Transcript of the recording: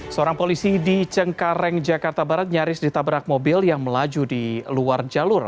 seorang polisi di cengkareng jakarta barat nyaris ditabrak mobil yang melaju di luar jalur